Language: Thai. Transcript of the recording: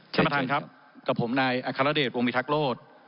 ท่านประธานครับกับผมนายอัครเดชวงวิทักษ์โลศ